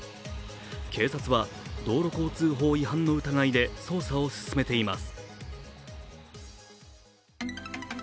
警察は道路交通法違反の疑いで捜査を進めています。